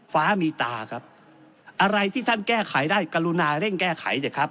ฟ้ามีตาครับอะไรที่ท่านแก้ไขได้กรุณาเร่งแก้ไขเถอะครับ